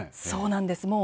そうなんです。